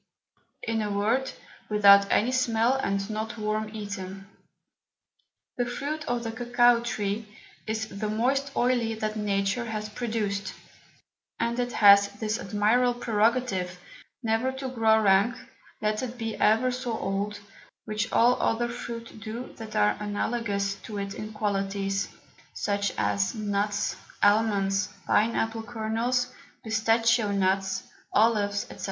In a word, without any Smell, and not worm eaten. The Fruit of the Cocao Tree is the most oily that Nature has produced, and it has this admirable Prerogative, never to grow rank let it be ever so old, which all other Fruit do that are analogous to it in Qualities; such as Nuts, Almonds, Pine Apple Kernels, Pistachoe Nuts, Olives, &c.